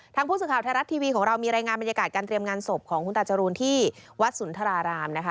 ผู้สื่อข่าวไทยรัฐทีวีของเรามีรายงานบรรยากาศการเตรียมงานศพของคุณตาจรูนที่วัดสุนทรารามนะคะ